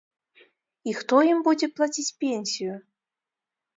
І хто ім будзе плаціць пенсію?